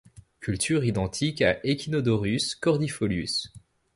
Culture identique à Echinodorus cordifolius.